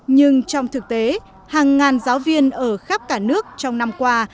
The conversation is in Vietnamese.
nhưng trong thực tế hàng ngàn giáo viên ở khắp cả nước trong năm qua